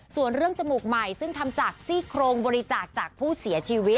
ส่วนเรื่องจมูกใหม่ซึ่งทำจากซี่โครงบริจาคจากผู้เสียชีวิต